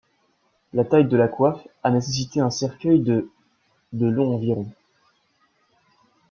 La taille de la coiffe a nécessité un cercueil de de long environ.